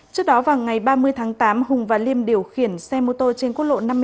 trước đó vào ngày ba mươi tháng tám hùng và liêm điều khiển xe mô tô trên quốc lộ năm mươi tám